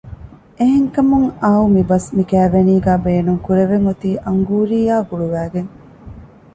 އެހެން ކަމުން އައު މިބަސް މިކައިވެނީގައި ބޭނުންކުރެވެން އޮތީ އަންގޫރީއާ ގުޅުވައިގެން